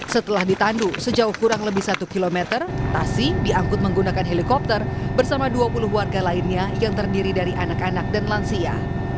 setelah ditandu sejauh kurang lebih satu km tasi diangkut menggunakan helikopter bersama dua puluh warga lainnya yang terdiri dari anak anak dan lansia